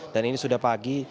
dan ini sudah pagi